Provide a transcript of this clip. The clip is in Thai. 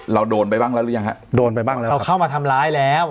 โดนไปบ้างแล้วหรือยังฮะโดนไปบ้างแล้วเขาเข้ามาทำร้ายแล้ว